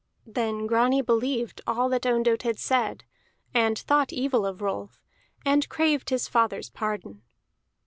Then Grani believed all that Ondott had said, and thought evil of Rolf, and craved his father's pardon.